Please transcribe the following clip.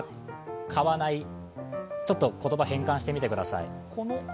ちょっと言葉、変換してみてください。